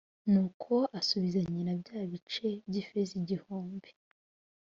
nuko asubiza nyina bya bice by’ ifeza igihumbi